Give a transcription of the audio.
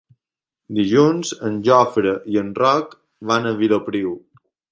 Dilluns en Jofre i en Roc van a Vilopriu.